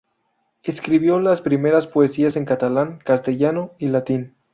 Escribió las primeras poesías en catalán, castellano y latín.